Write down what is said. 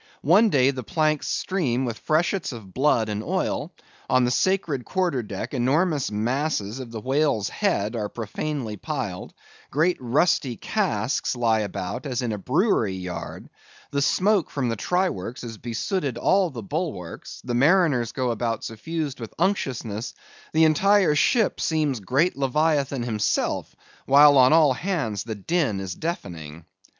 One day the planks stream with freshets of blood and oil; on the sacred quarter deck enormous masses of the whale's head are profanely piled; great rusty casks lie about, as in a brewery yard; the smoke from the try works has besooted all the bulwarks; the mariners go about suffused with unctuousness; the entire ship seems great leviathan himself; while on all hands the din is deafening.